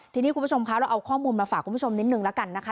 ทีนี้คุณผู้ชมคะเราเอาข้อมูลมาฝากคุณผู้ชมนิดนึงแล้วกันนะคะ